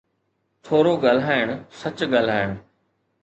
ٿورو ڳالهائڻ، سچ ڳالهائڻ.